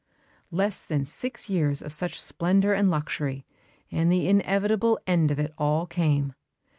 Less than six years of such splendour and luxury, and the inevitable end of it all came.